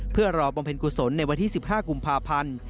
เพื่อรอบำเพ็ญกุศลในวันที่๑๕กุมภาพันธ์